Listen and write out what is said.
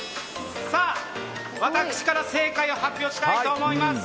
私から正解を発表したいと思います。